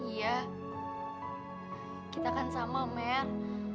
iya kita kan sama mer